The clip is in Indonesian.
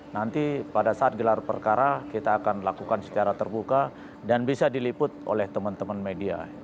nanti pada saat gelar perkara kita akan lakukan secara terbuka dan bisa diliput oleh teman teman media